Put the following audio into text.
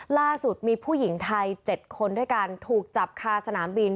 ล่าสุดมีผู้หญิงไทย๗คนด้วยกันถูกจับคาสนามบิน